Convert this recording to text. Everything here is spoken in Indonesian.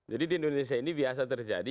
jadi di indonesia ini biasa terjadi